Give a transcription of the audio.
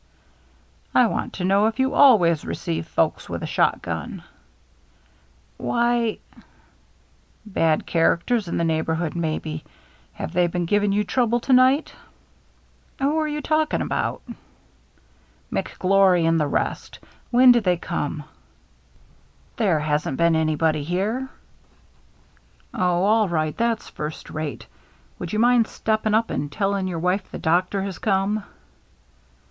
" I want to know if you always receive folks with a shot gun ?" "Why —"" Bad characters in the neighborhood, maybe. Have they been giving you trouble to night ?" "Who're you talking about?" 326 THE MERRr JS'SE " McGliKT and the rest. When did they ccmer •* There hasn't anybodT been here" •*Oh, all ri^t That's first rate — would yoa mind stepping up and telling your wife the doctor has come?"